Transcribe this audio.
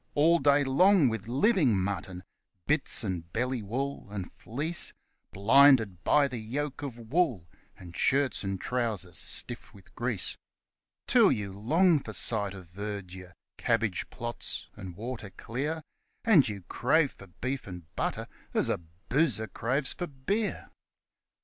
All day long with living mutton bits and belly wool and fleece ; Blinded by the yoke of wool, and shirt and trousers stiff with grease, Till you long for sight of verdure, cabbage plots and water clear, And you crave for beef and butter as a boozer craves for beer.